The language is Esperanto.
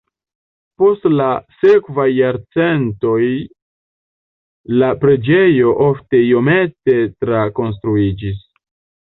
Post la sekvaj jarcentoj la preĝejo ofte iomete trakonstruiĝis.